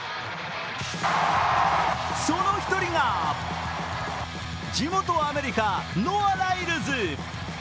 その一人が地元アメリカ、ノア・ライルズ。